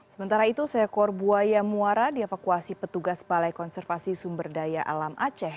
sementara itu seekor buaya muara dievakuasi petugas balai konservasi sumber daya alam aceh